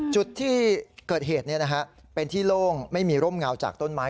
จุดที่เกิดเหตุเป็นที่โล่งไม่มีร่มเงาจากต้นไม้